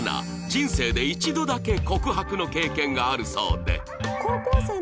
人生で一度だけ告白の経験があるそうで